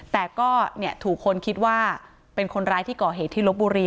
แต่ก็ถูกคนคิดว่าเป็นคนร้ายที่ก่อเหตุที่ลบบุรี